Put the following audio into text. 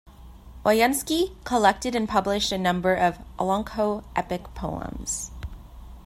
Oyunsky collected and published a number of Olonkho epic poems.